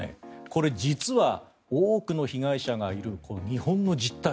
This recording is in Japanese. これ、実は多くの被害者がいる日本の実態。